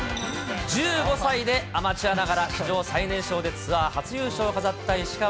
１５歳でアマチュアながら史上最年少でツアー初優勝を飾った石川。